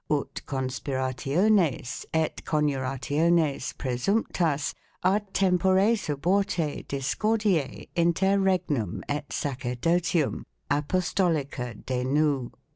ut conspirationes et coniurationes 3 presumptas. a tempore suborte dis cordie inter Regnum et sacerdotium, apostolica denu